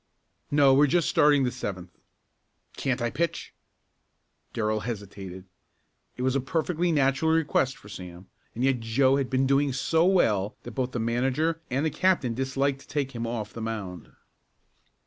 "No, we're just starting the seventh." "Can't I pitch?" Darrell hesitated. It was a perfectly natural request for Sam and yet Joe had been doing so well that both the manager and the captain disliked to take him off the mound.